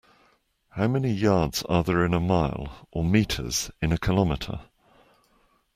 How many yards are there are in a mile, or metres in a kilometre?